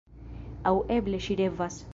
Aŭ eble ŝi revas.